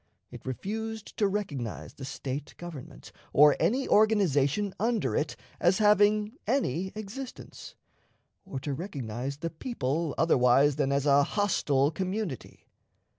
It refused to recognize the State government, or any organization under it, as having any existence, or to recognize the people otherwise than as a hostile community.